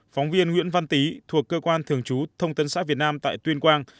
phóng viên nguyễn văn tý thuộc cơ quan thường trú thông tân xã việt nam tại tuyên quang